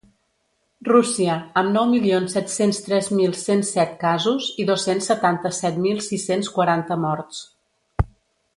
Rússia, amb nou milions set-cents tres mil cent set casos i dos-cents setanta-set mil sis-cents quaranta morts.